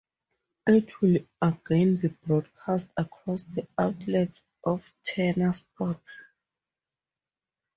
It will again be broadcast across the outlets of Turner Sports.